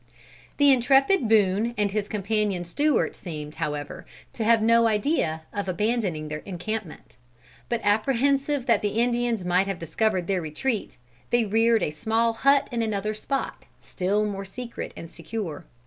The intrepid Boone and his companion Stewart seemed, however, to have no idea of abandoning their encampment. But apprehensive that the Indians might have discovered their retreat, they reared a small hut in another spot, still more secret and secure.